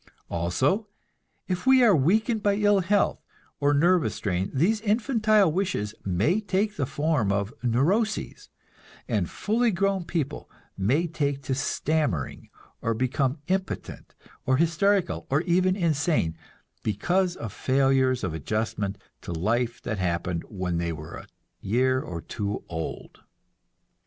Also, if we are weakened by ill health or nervous strain, these infantile wishes may take the form of "neuroses," and fully grown people may take to stammering, or become impotent, or hysterical, or even insane, because of failures of adjustment to life that happened when they were a year or two old.